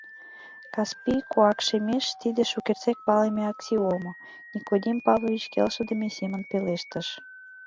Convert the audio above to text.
Каспий куакшемеш — тиде шукертсек палыме аксиомо, — Никодим Павлович келшыдыме семын пелештыш.